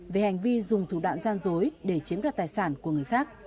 về hành vi dùng thủ đoạn gian dối để chiếm đoạt tài sản của người khác